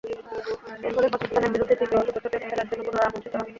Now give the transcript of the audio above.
এরফলে পাকিস্তানের বিরুদ্ধে তৃতীয় ও চতুর্থ টেস্টে খেলার জন্য পুনরায় আমন্ত্রিত হন।